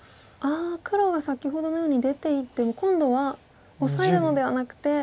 黒が先ほどのように出ていっても今度はオサえるのではなくて。